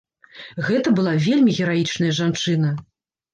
Гэта была вельмі гераічная жанчына.